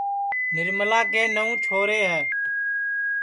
نرملا کے نئوں چھورے ہے